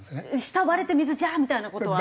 下割れて水ジャー！みたいな事は。